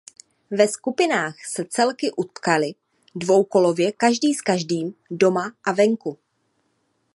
Ve skupinách se celky utkaly dvoukolově každý s každým doma a venku.